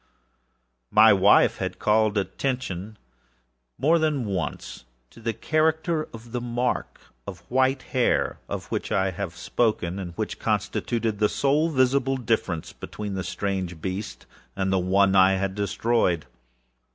My wife had called my attention, more than once, to the character of the mark of white hair, of which I have spoken, and which constituted the sole visible difference between the strange beast and the one I had destroyed.